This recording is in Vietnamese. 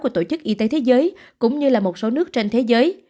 của tổ chức y tế thế giới cũng như là một số nước trên thế giới